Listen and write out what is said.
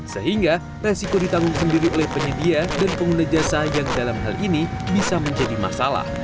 sehingga resiko ditanggung sendiri oleh penyedia dan pengguna jasa yang dalam hal ini bisa menjadi masalah